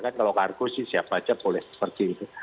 kan kalau kargo sih siapa aja boleh seperti itu